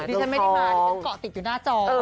ดิฉันไม่ได้มาดิฉันเกาะติดอยู่หน้าจอ